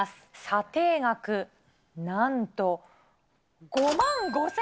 査定額なんと５万５０００円。